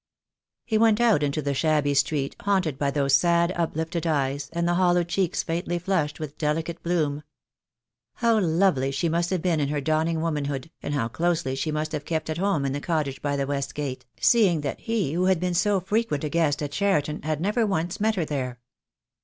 He went out into the shabby street haunted by those sad uplifted eyes, and the hollow cheeks faintly flushed with delicate bloom. How lovely she must have been in her dawning womanhood, and how closely she must have kept at home in the cottage by the west gate, seeing that he who had been so frequent a guest at Cheriton had never once met her there.